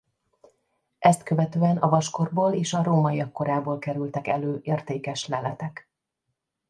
Ezt követően a vaskorból és a rómaiak korából kerültek elő értékes leletek.